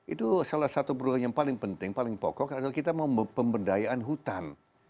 itu salah satu program yang paling penting paling pokok adalah kita mau pemberdayaan hutan